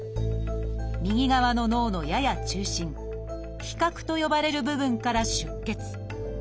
右側の脳のやや中心「被殻」と呼ばれる部分から出血。